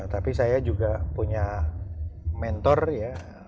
tapi saya juga punya mentor ya